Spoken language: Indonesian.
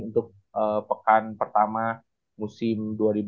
untuk pekan pertama musim dua ribu dua puluh tiga dua ribu dua puluh empat